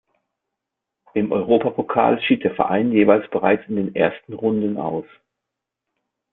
Im Europapokal schied der Verein jeweils bereits in den ersten Runden aus.